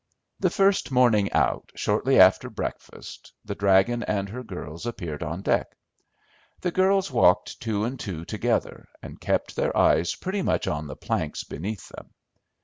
The first morning out, shortly after, breakfast, the "dragon" and her girls appeared on deck. The girls walked two and two together, and kept their eyes pretty much on the planks beneath them.